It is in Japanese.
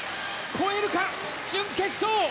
超えるか、準決勝！